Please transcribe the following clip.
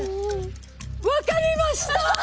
分かりました！